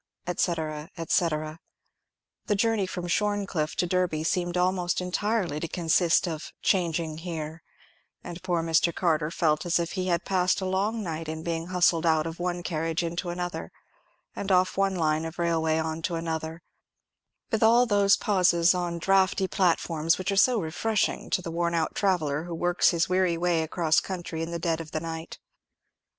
&c., &c. The journey from Shorncliffe to Derby seemed almost entirely to consist of "changing here;" and poor Mr. Carter felt as if he had passed a long night in being hustled out of one carriage into another, and off one line of railway on to another, with all those pauses on draughty platforms which are so refreshing to the worn out traveller who works his weary way across country in the dead of the night.